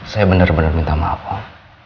saya benar benar minta maaf